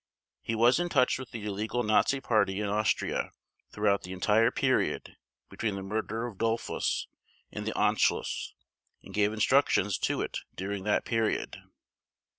He was in touch with the illegal Nazi Party in Austria throughout the entire period between the murder of Dollfuss, and the Anschluss, and gave instructions to it during that period.